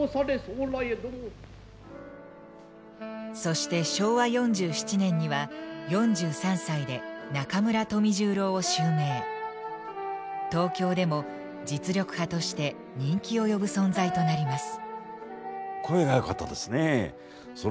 そして昭和４７年には東京でも実力派として人気を呼ぶ存在となります。